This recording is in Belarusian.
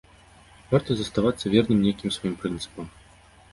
Варта заставацца верным нейкім сваім прынцыпам.